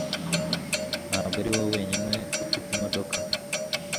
Ntabwo ari wowe wenyine ufite imodoka